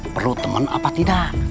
perlu temen apa tidak